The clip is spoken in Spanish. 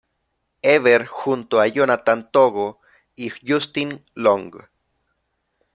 Ever", junto a Jonathan Togo y Justin Long.